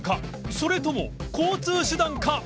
それとも交通手段か？